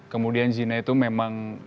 kemudian zina itu memang